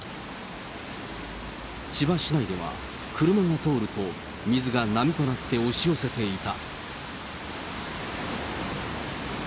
千葉市内では、車が通ると水が波となって押し寄せていた。